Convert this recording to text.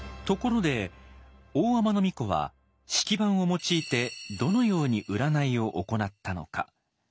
ところで大海人皇子は「式盤」を用いてどのように占いを行ったのか。